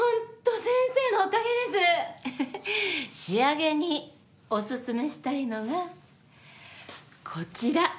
仕上げにおすすめしたいのがこちら！